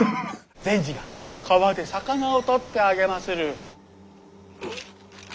善児が川で魚を捕ってあげまする。